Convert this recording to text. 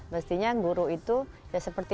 mestinya guru itu ya seperti